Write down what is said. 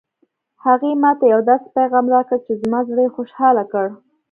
هغې ما ته یو داسې پېغام راکړ چې زما زړه یې خوشحاله کړ